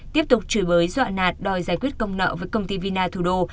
tiếp tục chửi bới dọa nạt đòi giải quyết công nợ với công ty vina thủ đô